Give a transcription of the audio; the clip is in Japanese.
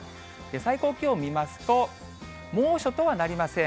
最高気温見ますと、猛暑とはなりません。